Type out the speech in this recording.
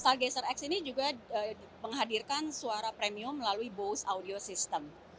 stargazer x ini juga menghadirkan suara premium melalui bose audio system